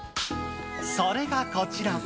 それがこちら。